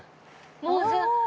もうじゃあ。